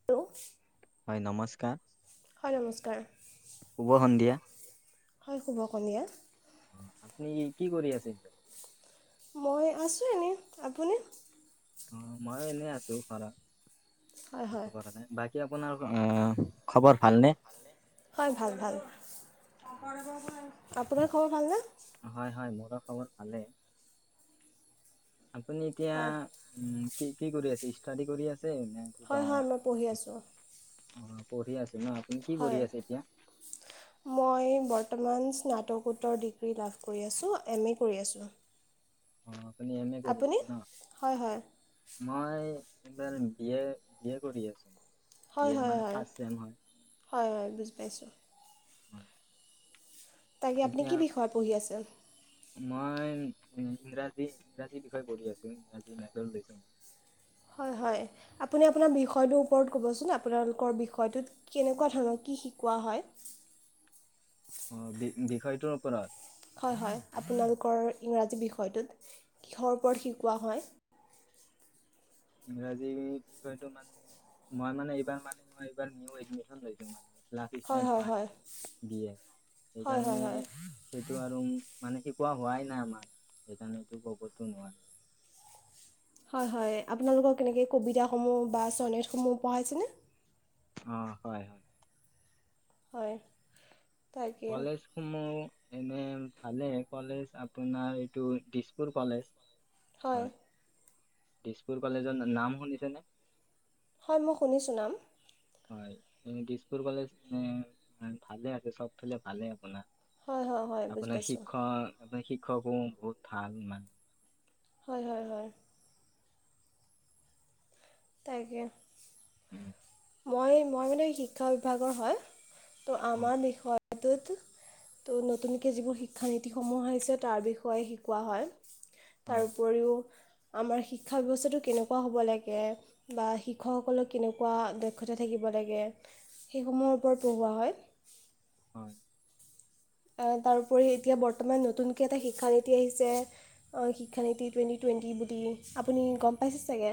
[inaudible] হয়, নমস্কাৰ! হয়, নমস্কাৰ! শুভ সন্ধিয়া। হয়, শুভ সন্ধিয়া। আপুনি কি কৰি আছে এতিয়া? মই আছো এনে। আপুনি? অ, মইো এনেই আছো ঘৰত, হয় একো হয় কৰা নাই। বাকী বাকী আপোনাৰ অ, খবৰ ভাল নে? হয়, ভাল -ভাল। আপোনাৰ খবৰ ভাল নে? হয়, হয়, মোৰো খবৰ ভালেই। আপুনি এতিয়া হয় উম, কি কি কৰি আছে? ষ্টাডী কৰি আছে? নে কিবা হয় হয় মই পঢ়ি আছোঁ অ, পঢ়ি আছো ন! কিকৰিপুন কি হয় পঢ়ি আছে এতিয়া? মই বৰ্তমান স্নাতকোত্তৰ ডিগ্ৰী লাভ কৰি আছোঁ, এম এ কৰি আছোঁ। অ, আপুনি এম এ কৰিছ আপুনি আছে ন! হয় হয় মই এইবাৰ বি এ কৰি আছো। বি হয়, এ হয়, মানে হয়, হয়, ফাৰ্ষ্ট চেম হয়, বুজি পাইছোঁ। হয়। তাকে আপুনি কি বিষয়ত পঢ়ি আছে? মই ইংৰাজী ইংৰাজী বিষয় পঢ়ি আছো ইংৰাজী মেজৰ লৈছো। হয়, হয়। আপুনি আপোনাৰ বিষয়টোৰ ওপৰত ক'বচোন! আপোনালোকৰ বিষয়টোত কেনেকুৱা ধৰণৰ কি শিকোৱা হয়? অ, বি বিষয়টোৰ ওপৰত! হয়, হয়, আপোনালোকৰ ইংৰাজী বিষয়টোত কিহৰ ওপৰত শিকোৱা হয়? ইংৰাজীৰ বিষয়টো মানে মই মানে এইবাৰ মানে মই এইবাৰ নিউ এডমিচন লৈছোঁ। মানে হয় হয় হয় হয় হয় [unintelligible] হয় সেইটো আৰু মানে শিকোৱা হোৱাই নাই আমাক সেইকাৰণটো কবতো নোৱাৰো। হয়, হয়, আপোনালোকক কেনেকৈ কবিতাসমূহ বা ছনেটসমূহ পঢ়াইছেনে? অ, হয়, হয়। হয়। তাকে কলেজ মোৰ এনে ভালে কলেজ আপোনাৰ এইটো দিছপুৰ কলেজ। হয়, দিছপুৰ কলেজৰ নাম শুনিছেনে? হয়, মই শুনিছোঁ নাম। হয়, দিছপুৰ কলেজ ভালে আছে চবফলে ভালে আপোনাৰ। হয় হয় হয় বুজি আপোনাৰ পাইছোঁ শিক্ষক আপোনাৰ শিক্ষকো বহুত ভাল মানে। হয়, হয়, হয়। তাকে। উম। মই মই মানে শিক্ষা বিভাগৰ হয়, ত' অ আমাৰ বিষয়টোত। ত' নতুনকৈ যিবোৰ শিক্ষানীতিসমূহ আহিছে তাৰ বিষয়ে শিকোৱা হয়। তাৰ হয় উপৰিও। আমাৰ শিক্ষা ব্যৱস্থাটো কেনেকুৱা হ'ব লাগে, বা শিক্ষকসকলক কেনেকুৱা। দক্ষতা থাকিব লাগে সেইসমূহৰ ওপৰত পঢ়োৱা হয়। হয়। তাৰোপৰি এতিয়া বৰ্তমান নতুনকৈ এটা শিক্ষানীতি আহিছে অ', শিক্ষানীতি টুৱেণ্টি টুৱেণ্টি বুলি আপুনি গ'ম পাইছে চাগে?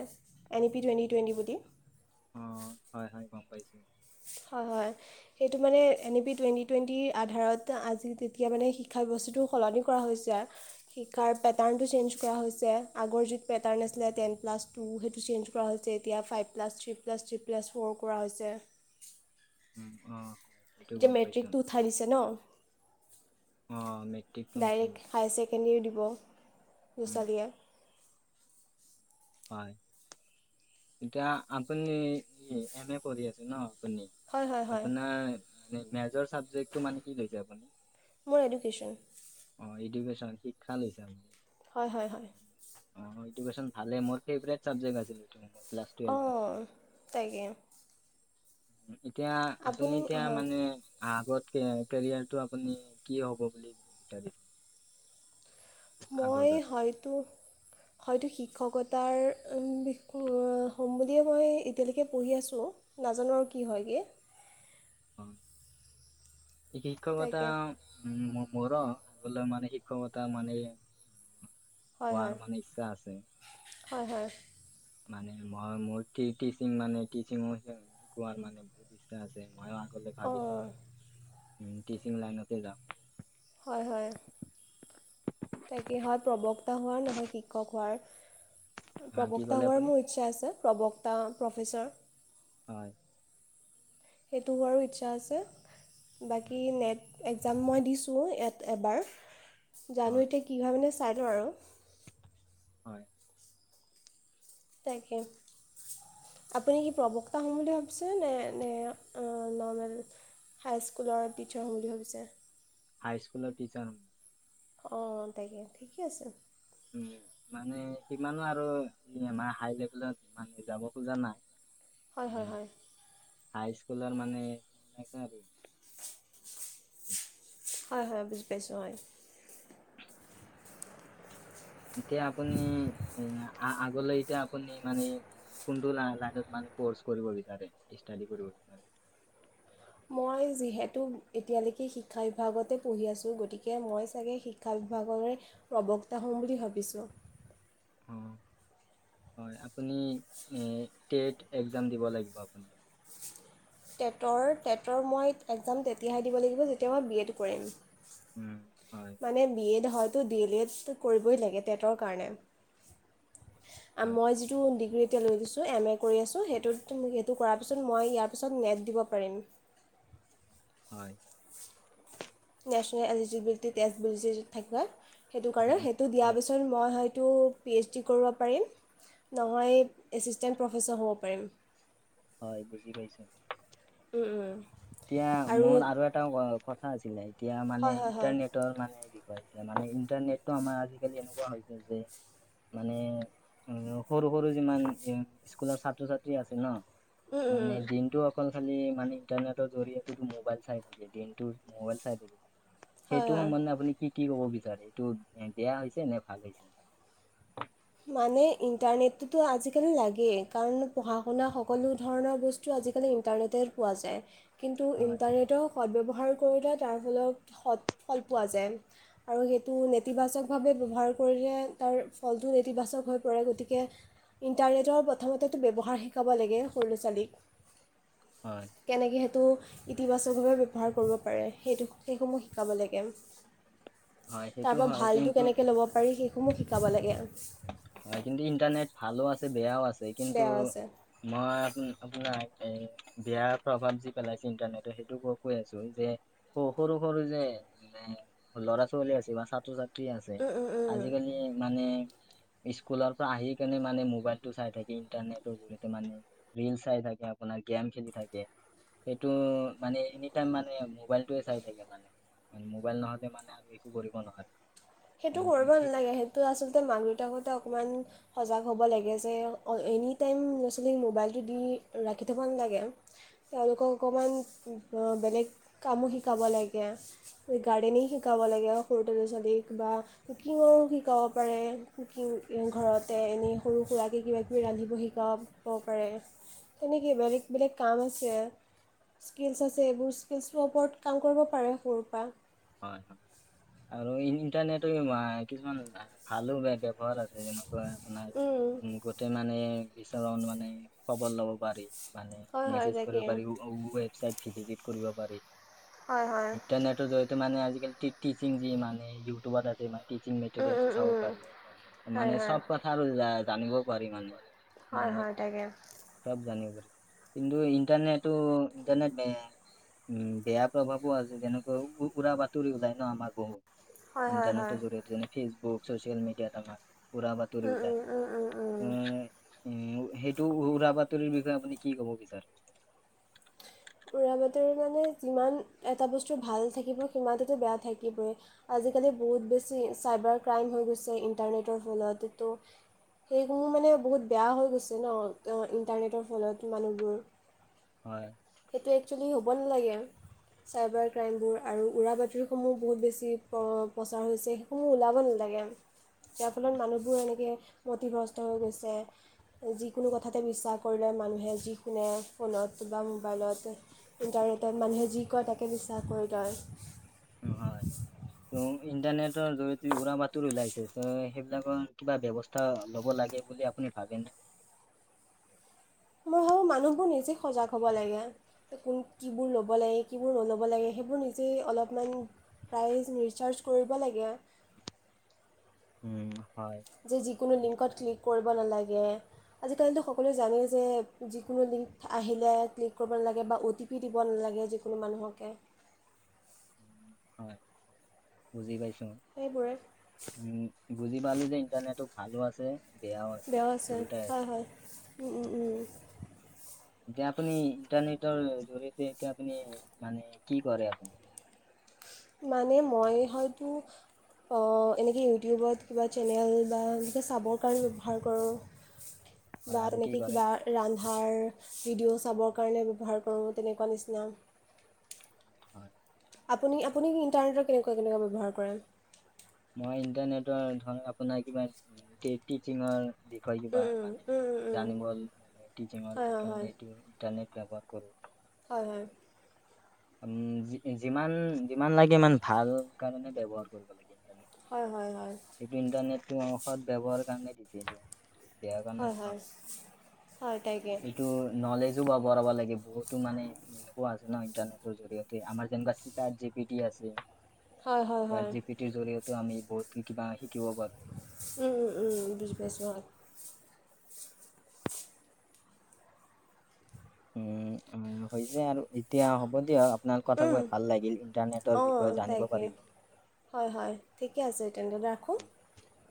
এনি পি টুৱেন্টি টুৱেন্টি বুলি। অ', হয়, হয়, গ'ম পাইছোঁ। হয়, হয়। সেইটো মানে এন ই পি টুৱেণ্টি টুৱেণ্টিৰ আধাৰত আজি তেতিয়া মানে শিক্ষা ব্যৱস্থাটো। সলনি কৰা হৈছে। শিকাৰ পেটাৰ্ণটো চেঞ্জ কৰা হৈছে আগৰ যি পেটাৰ্ণ আছিলে টেন প্লাছ টু সেইটো চেঞ্জ কৰা হৈছে এতিয়া five plus three plus three plus four কৰা হৈছে। উম, অ'। হয় এইটো এতিয়া গম পাইছো মেট্ৰিকটো উঠাই দিছে ন'? অ', মেট্ৰিকটো উঠাই। ডাইৰেক্ট হায়াৰ ছেকেণ্ডেৰীও দিব উম ল'ৰা-ছোৱালীয়ে। হয়, এতিয়া আপুনি এম এ পঢ়ি আছে ন' আপুনি? হয় হয় হয় আপোনাৰ মানে মেজৰ চাবজেক্টটো মানে কি লৈছে আপুনি? মোৰ এডুকেশ্বন। অ', এডুকেশ্যন শিক্ষা লৈছে আপুনি। হয়, হয়, হয়। উম, অ', এডুকেশ্বন ভালে মোৰ ফেভৰেট চাবজেক্ট আছিল এইটো। ক্লাছ টুৱেলভত অ', তাকে। এতিয়া আপুনি এতিয়া মানে আগত কেৰিয়াৰটো আপুনি কি হ'ব বুলি বিচাৰে? মই আগলৈ হয়তো হয়তো শিক্ষকতাৰ বিষয় হ'ম বুলিয় মই এতিয়ালৈকে পঢ়ি আছোঁ। নাজানো আৰু কি হয়, গে। অ', এই শিক্ষকতা তাকে উম, মোৰ আগলৈ মানে শিক্ষকতা মানে। হয় হোৱাৰ হয় মানে ইচ্ছা আছে। হয়, হয়। মানে মই মোৰ টিচিং মানে টিচিং শিকোৱাৰ মানে বহুত ইচ্ছা আছে মই। ভাবিছো অঁ উম, টিচিং লাইনতে যাাম। হয়, হয়। তাকে হয় প্ৰবক্তা হোৱাৰ নহয়, শিক্ষক হোৱাৰ হা কি প্ৰবক্তা ক'লে হোৱাৰ আপুনি মোৰ। ইচ্ছা আছে প্ৰবক্তা প্ৰফেচৰ। হয়। সেইটো হোৱাৰো ইচ্ছা আছে। বাকী উম, নেট একজাম মই দিছোঁ ইয়াত এবাৰ। জানো হয় কি হয় মানে লওঁ আৰু। হয়। তাকে। আপুনি কি প্ৰবক্তা হ'ম বুলি ভাবিছে নে এনে নৰ্মেল হাই স্কুলৰ টিচাৰ হম বুলি ভাবিছে? হাই স্কুলৰ টিচাৰ হম। অহ তাকে ঠিকে আছে। উম মানে সিমানো আৰু ইমানে হাই লেভেলত মানে যাব খোজা নাই। হয় মানে হয় হয়। হাই স্কুলৰ মানে হয় হয় বুজি পাইছোঁ হয়। এতিয়া আপুনি উম আ-আগলৈ এতিয়া আপুনি মানে কোনটো লা-লাইনত মানে কো'ৰ্চ কৰিব বিচাৰে ইস্তাদি কৰিব বিচাৰে? মই যিহেতু এতিয়ালৈকে শিক্ষা বিভাগতে পঢ়ি আছোঁ গতিকে মই চাগে শিক্ষা শিক্ষা বিভাগৰে প্ৰবক্তা হ'ম বুলি ভাবিছোঁ। অ হয় আপুনি এ টেট একজাম দিব লাগিব আপুনি। টেটৰ টেটৰ মই একজাম তেতিয়াহে দিব লাগিব যেতিয়া মই বি এড কৰিম। উম হয়। মানে বি এড হয়তো ডি এল এড কৰিবই লাগে টেটৰ কাৰণে। আম হয় মই যিটো টো ডিগ্ৰী এতিয়া লৈ থৈছোঁ এম এ কৰি আছোঁ সেইটো কৰাৰ পিছত মই ইয়াৰ পিছত নেট দিব পাৰিম। হয়। নেশ্যনেল এলিজিবিলিটি তেটেজবলিটি থাকে সেইটো কাৰণে সেই উম, সেইটো দিয়াৰ হয় পিছত মই হয়তো পি এইচ ডি কৰিব পাৰিম নহয় এচিষ্টেণ্ট প্ৰফেচৰ হ'ব পাৰিম। হয় বুজি পাইছো। উম উম। এতিয়া মোৰ আৰু এটা কথা আছিলে এতিয়া মানে হয় হয় হয় ইণ্টাৰনেট মানে কি কয় মানে এতিয়া মানে ইণ্টাৰনেটো আমাৰ আজিকালি এনেকুৱা হৈ গৈছে মানে উম সৰু সৰু যিমান উম স্কুলৰ ছাত্ৰ ছাত্ৰী আছে ন মানে দিনটো অকল খালি মানে ইন্টাৰনেটৰ জৰিয়তে মোবাইল চাই থাকে দিনটো মোবাইল চাই হয় সেইটো হয় মানে আপুনি কি কি ক'ব বিচাৰে এইটো এ বেয়া হৈছে নে ভাল হৈছে? মানে ইণ্টাৰনেটটো আজিকালি লাগেই কাৰণ পঢ়া-শুনা সকলো ধৰণৰ বস্তু টো আজিকালি ইণ্টাৰনেটে পোৱা যায়, কিন্তু হয় ইণ্টাৰনেটক সদ ব্যৱহাৰ কৰিলে তাৰ ফলত সৎ ফল পোৱা যায়। আৰু সেইটো নেতিবাচকভাৱে ব্যৱহাৰ কৰিলে তাৰ ফল নেতিবাচক হৈ পৰে গতিকে ইণ্টাৰনেটৰ প্ৰথমতেতো ব্যৱহাৰ শিকাব লাগে সৰু ল'ৰা ছোৱালীক। হয়। কেনেকে সেইটো ইতিবাচকভাৱে ব্যৱহাৰ কৰিব পাৰে সেইটো সেইসমূহ শিকাব লাগে। হয় সেইটো তাৰ পৰা হয় ভালটো কিন্তু কেনেকে ল'ব পাৰি সেইসমূহ শিকাব লাগে। হয় কিন্তু ইণ্টাৰনেট ভালো আছে বেয়াও আছে কিন্তু বেয়াও আছে মই আপ-আপোন এই বেয়া প্ৰভাৱ যি পেলাইছে ইণ্টাৰনেটৰ সেইটো কৈ আছো যে সৰু সৰু যে উম ল'ৰা-ছোৱালী আছে বা ছাত্ৰ-ছাত্ৰী আছে আজিকালি মানে স্কুলৰ পৰা আহি কেনে মানে মোবাইলটো চাই থাকি ইণ্টাৰনেটৰ জৰিয়তে মানে ৰীল চাই থাকে আপোনাৰ গেম খেলি থাকে। সেইটো মানে এনি টাইম মানে মোবাইলটোয়ে চাই থাকে মানে। মোবাইল নহ'লে মানে আৰু একো কৰিব নোৱাৰো। সেইটো কৰিব নালাগে সেইটো আচলতে মাক- দেউতাকহতে অকণমান সজাগ হ'ব লাগে যে অ, এনি টাইম ল'ৰা- ছোৱালীক মোবাইলটো দি ৰাখি থ'ব নালাগে। তেওঁলোকক অকণমান বেলেগ কামো শিকাব লাগে গাৰ্ডেনিং শিকাব লাগে [unintelligible] কিবা কুকিঙো শিকাব পাৰে কুকিং ঘৰতে এনেই সৰু সুৰাকে কিবা কিবি ৰান্ধিব শিকাম। কব পাৰে তেনেকেই বেলেগ-বেলেগ কাম আছে। স্কিলচ আছে এইবোৰ স্কিলছৰ ওপৰত কাম কৰিব পাৰে সৰুৰ পা। হয়-হয় আৰু ইন্টাৰনেট [unintelligible] কিছুমান ভালো বেয়া ব্যৱহাৰত। উম, কে মানে বিচৰা অনুমানে খবৰ ল'ব পাৰি মানে হয় হয় মেছেজ কৰিব তাকে পাৰি [unintelligible] ৱেবচাইট ভি - ভিজিট কৰিব পাৰি হয় হয় ইণ্টাৰনেটৰ জৰি ত' মানে আজিকাল টি -টিচিং যি মানে ইউটিউবত আছে মানে টিচিং উম উম মেটেৰিয়েলচো চাব উম পাৰি। হয় মানে হয় চব কথা আৰু জানিবও পাৰি মানে মানে [unintelligible] চব জানিব পাৰি কিন্তু ইণ্টাৰনেটো-ইণ্টাৰনেট উম, বেয়া প্ৰভাৱো আছে যেনেকৈ ওঁ উৰা বাতৰি ওলাই ন' আমাৰ বহু হয় হয় হয় ইণ্টাৰনেটৰ জৰিয়তে যেনে ফেচবুক চচিয়েল মিডিয়াত আমাৰ উৰা বাতৰি উম ওলাই উম উম উম উম উ উম, সেইটো উ-উৰা বাতৰি বিষয়ে আপুনি কি কব বিচাৰে? উৰা বাতৰি মানে যিমান এটা বস্তু ভাল থাকিব সিমানতেতো বেয়া থাকিবয়ে আজিকালি বহুত বেছি চাইবাৰ ক্ৰাইম হৈ গৈছে ইণ্টাৰনেটৰ ফলতেতো সেইসমূহ মানে বহুত বেয়া হৈ গৈছে ন' ইণ্টাৰনেটৰ ফলত মানুহবোৰ। হয়। সেইটো এক্সচুৱেলি হ'ব নালাগে। চাইবাৰ ক্ৰাইমবোৰ আৰু উৰা বাতৰিসমূহ বহুত বেছি প্ৰ-প্ৰচাৰ হৈছে সেইসমূহ ওলাব নালাগে। [inaudible] যাৰ ফলত মানুহবোৰ এনেকে মতিভ্ৰস্ত হৈ গৈছে। যিকোনো কথাতে বিশ্বাস কৰি লয় মানুহে যি শুনে ফোনত বা মোবাইলতেহ ইণ্টাৰনেটত মানুহে যি কয় তাকে বিশ্বাস কৰি লয়। [unintelligible] হয়। ত' ইন্টাৰনেটৰ জৰিয়তে উৰা বাতৰি ওলাইছে চ' সেইবিলাকৰ কিবা ব্যৱস তা ল'ব লাগে বুলি আপুনি ভাবেনে? মই ভাবো মানুহবোৰ নিজে সজাগ হ'ব লাগে [unintelligible] কিবোৰ ল'ব লাগে কিবোৰ নল'ব লাগে সেইবোৰ নিজেই অলপমান প্ৰাইজ নিচাৰ্জ কৰিব লাগে। উম, হয়। যে যিকোনো আপুনি লিংকত ক্লিক কৰিব নালাগে। আজিকালিতো সকলোৱে জানেই যে যিকোনো লিংক আহিলে ক্লিক কৰিব নালাগে বা O T O T P দিব নালাগে যিকোনো মানুহকে। উম, হয় বুজি পাইছো। সেইবোৰে। উম, বুজি পালো যে, ইণ্টাৰনেটো ভালো আছে বেয়াও আছে, দুয়োটাই আছে। উম, উম, উম। এতিয়া আপুনি ইণ্টাৰনেটৰ জৰিয়তে এতিয়া আপুনি মানে কি কৰে আপুনি? মানে মই হয়তো- অ' এনেকে ইউটিউবত কিবা চেনেল বা এনেকে চাবৰ কাৰণে ব্যৱহাৰ কৰোঁ। [inaudible] বা আৰু কি তেনেকে কৰে কিবা- ৰন্ধাৰ ভিডিঅ' চাবৰ কাৰণে ব্যৱহাৰ কৰোঁ তেনেকুৱা নিচিনা। হয়। আপুনি আপুনি ইণ্টাৰনেটৰ কেনেকুৱা কেনেকুৱা ব্যৱহাৰ কৰে? মই ইণ্টাৰনেটৰ ধৰ আপোনাৰ কিবা টি টিচিঙৰ- বিষয়ে কিবা উম মানে উম উম উম উম জানিব হলে টিচিঙৰ হয় হয় হয় সেইকাৰণে এইটো। ইণ্টাৰনেট ব্যৱহাৰ কৰোঁ। হয় হয়। উম' যিমান যিমান লাগে ইমান ভাল কাৰণে ব্যৱহাৰ কৰিব লাগে ইণ্টাৰনেট। হয় হয় হয়। এইটো ইণ্টাৰনেটটো সত ব্যৱহাৰ কাৰণে দিছে এইটো। বেয়াৰ কাৰণে হয় হয় হয় তাকে নহয়। এইটো- নলেজো বা বঢ়াব লাগে বহুতো মানে এনেকুৱা আছে ন ইণ্টাৰনেট- টৰ জৰিয়তে আমাৰ যেনেকুৱা চাত জে পি টি আছে। হয় হয় হয় চাত জি পি- টিৰ জৰিয়তো আমি বহুত কিবা শিকিব পাৰো। উম' উম' বুজি পাইছোঁ অঁ। উম উম' হৈছে আৰু এতিয়া হ'ব দিয়ক। আপোনাৰ কথা কোৱা ভাল লাগিল ইণ্টাৰনেটৰ অঁ বিষয়ে জানিব তাকে পাৰিলোঁ। হয় হয়, ঠিকে আছে তেনেহলে ৰাখোঁ।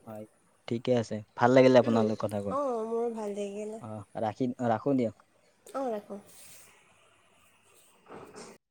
হয়, ঠিকে আছে ভাল লাগিলে উম, আপোনাৰ লগত কথা কৈ, অঁ মোৰো ভাল লাগিলে অঁ। ৰাখি ৰাখোঁ দিয়ক। অঁ ৰাখো।